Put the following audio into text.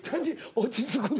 落ち着くの？